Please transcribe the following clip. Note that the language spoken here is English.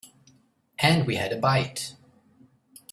And we had a bite.